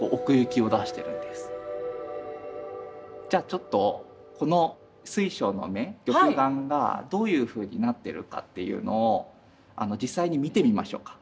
ちょっとこの水晶の目玉眼がどういうふうになってるかというのを実際に見てみましょうか。